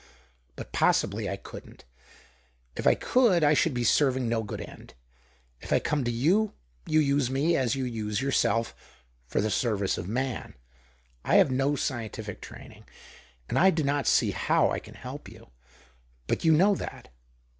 But possibly I couldn't ; f I could, I should be serving no good end. f I come to you, you use me, as you use 'ourself, for the service of man. I have no cientitic training, and I do not see how I can elp you. But you know that.